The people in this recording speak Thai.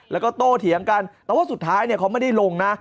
แล้วก็โตเถียงกันแต่ว่าสุดท้ายเขาไม่ได้ลงนะ